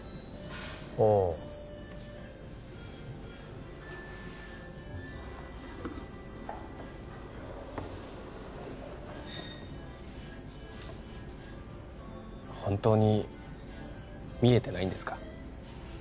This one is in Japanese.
ああ本当に見えてないんですか？